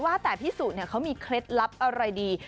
ว่าแต่พี่สุเขามีเคล็ดลับอะไรดี